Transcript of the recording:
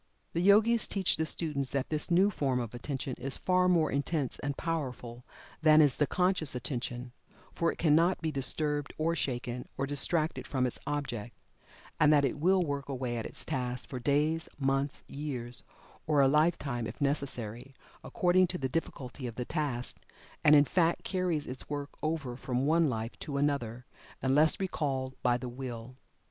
The Yogis teach the students that this new form of Attention is far more intense and powerful than is the conscious Attention, for it cannot be disturbed or shaken, or distracted from its object, and that it will work away at its task for days, months, years, or a lifetime if necessary, according to the difficulty of the task, and in fact carries its work over from one life to another, unless recalled by the Will.